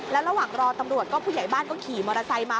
แล้วระหว่างรอตำรวจก็ผู้ใหญ่บ้านก็ขี่มอเตอร์ไซค์มา